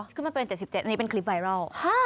ขึ้นมาเป็น๗๗อันนี้เป็นคลิปไวรัล